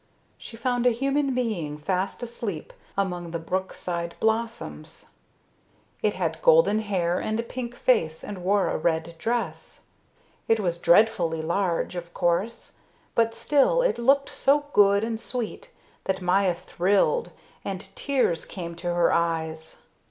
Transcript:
She found a human being fast asleep among the brookside blossoms. It had golden hair and a pink face and wore a red dress. It was dreadfully large, of course, but still it looked so good and sweet that Maya thrilled, and tears came to her eyes.